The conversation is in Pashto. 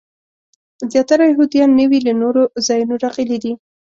زیاتره یهودیان نوي له نورو ځایونو راغلي دي.